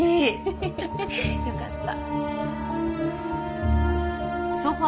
フフフッよかった。